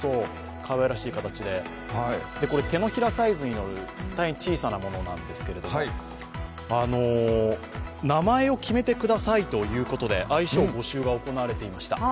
かわらしい形で、これ手のひらサイズに乗る大変小さなものなんですけど、名前を決めてくださいということで愛称募集が行われていました。